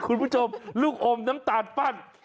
คุณผู้ชมลูกอมน้ำตาลปั้น